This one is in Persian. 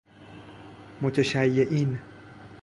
متشیعین